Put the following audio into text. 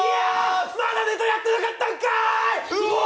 まだネタやってなかったんかーい！